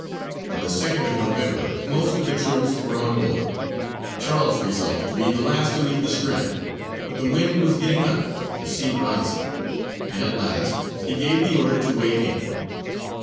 On the 2nd of November most of the troops were on board. Charles resolved to be the last to leave the strand; but the wind was getting up, the sea rising, and at last he gave the order to weigh anchor.